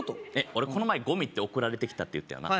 俺この前「ゴミ」って送られてきたって言ったよな？